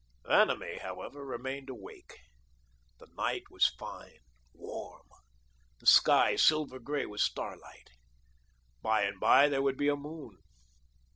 Vanamee, however, remained awake. The night was fine, warm; the sky silver grey with starlight. By and by there would be a moon.